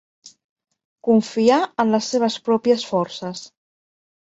Confiar en les seves pròpies forces.